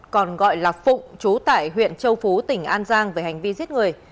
còn gọi là phụng chú tại huyện châu phú tỉnh an giang về hành vi giết người